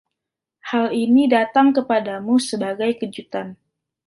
Hal ini datang kepadamu sebagai kejutan.